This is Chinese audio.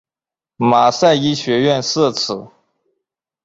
马赛医学院设此。